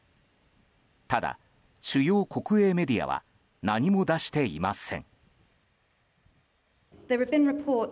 ただ主要国営メディアは何も出していません。